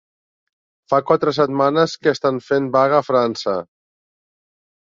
Fa quatre setmanes que estan fent vaga a França